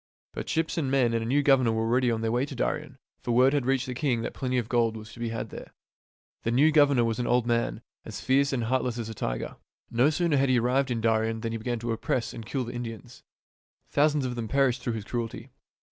But ships and men and a new governor were already on their way to Darien ; for word had reached the king that plenty of gold was to.be had there. The new governor was an old man, as fierce and heartless as a tiger. No sooner had he arrived in l6 THIRTY MORE FAMOUS STORIES Darien than he began to oppress and kill the Indians. Thousands of them perished through his cruelty.